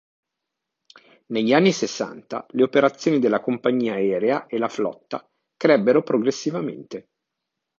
Negli anni sessanta le operazioni della compagnia aerea e la flotta crebbero progressivamente.